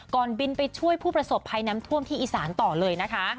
บินไปช่วยผู้ประสบภัยน้ำท่วมที่อีสานต่อเลยนะคะ